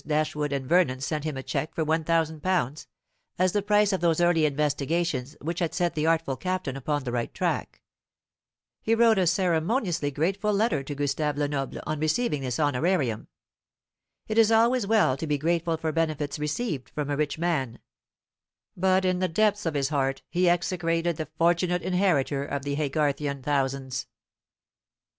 Dashwood and Vernon sent him a cheque for one thousand pounds, as the price of those early investigations which had set the artful Captain upon the right track. He wrote a ceremoniously grateful letter to Gustave Lenoble on receiving this honorarium. It is always well to be grateful for benefits received from a rich man; but in the depths of his heart he execrated the fortunate inheritor of the Haygarthian thousands.